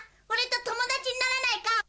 俺と友達にならないか？